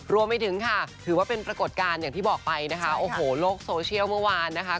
รวมไปถึงค่ะถือว่าเป็นปรากฏการณ์อย่างที่บอกไปนะคะโอ้โหโลกโซเชียลเมื่อวานนะคะ